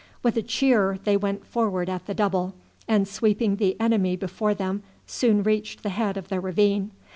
With a cheer they went forward at the double, and sweeping the enemy before them soon reached the head of the ravine.